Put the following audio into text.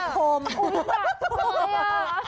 อุ๊ยปากทำไมอ่ะ